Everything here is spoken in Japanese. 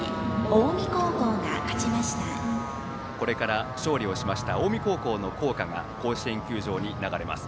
これから勝利をしました近江高校の校歌が甲子園球場に流れます。